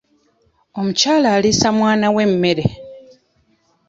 Omukyala aliisa mwana we emmere.